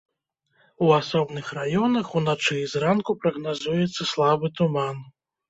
У асобных раёнах уначы і зранку прагназуецца слабы туман.